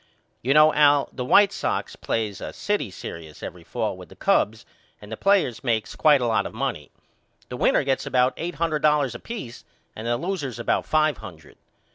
You know Al the White Sox plays a city serious every fall with the Cubs and the players makes quite a lot of money. The winners gets about eight hundred dollars a peace and the losers about five hundred.